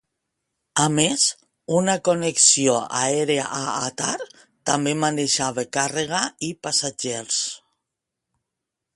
A més, una connexió aèria a Atar també manejava càrrega i passatgers.